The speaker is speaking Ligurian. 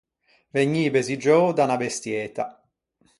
Vegnî besiggiou da unna bestieta.